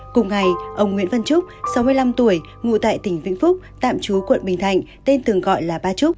cùng ngày ông nguyễn văn trúc sáu mươi năm tuổi ngủ tại tỉnh vĩnh phúc tạm trú quận bình thạnh tên từng gọi là ba trúc